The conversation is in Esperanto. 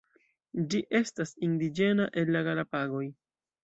Ĝi estas indiĝena el la Galapagoj.